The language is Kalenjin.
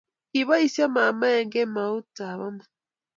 Koibisio mamae kemoutab amut